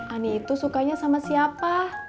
ani itu sukanya sama siapa